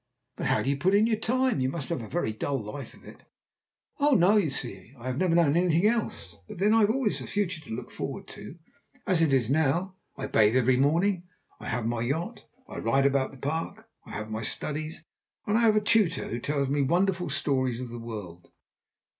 "But how do you put in your time? You must have a very dull life of it." "Oh, no! You see, I have never known anything else, and then I have always the future to look forward to. As it is now, I bathe every morning, I have my yacht, I ride about the park, I have my studies, and I have a tutor who tells me wonderful stories of the world."